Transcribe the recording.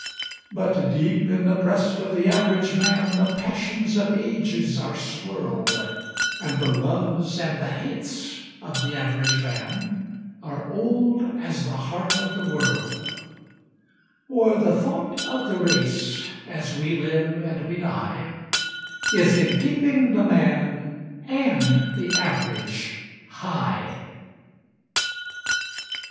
But deep in the breast of the Average ManThe passions of ages are swirled, And the loves and the hates of the Average ManAre old as the heart of the world—For the thought of the Race, as we live and we die, Is in keeping the Man and the Average high.